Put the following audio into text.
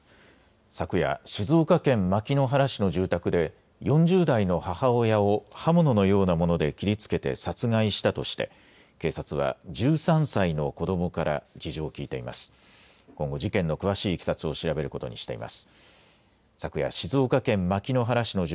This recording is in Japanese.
昨夜、静岡県牧之原市の住宅で４０代の母親を刃物のようなもので切りつけて殺害したとして警察は１３歳の子どもから事情を聞いています。